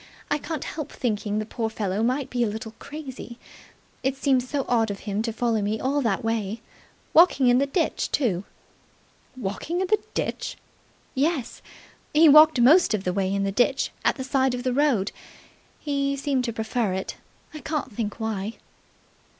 "I can't help thinking the poor fellow may be a little crazy. It seems so odd of him to follow me all that way. Walking in the ditch too!" "Walking in the ditch!" "Yes. He walked most of the way in the ditch at the side of the road. He seemed to prefer it. I can't think why."